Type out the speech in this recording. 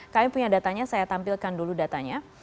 kami punya datanya saya tampilkan dulu datanya